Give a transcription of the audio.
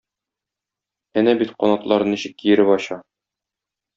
Әнә бит канатларын ничек киереп ача.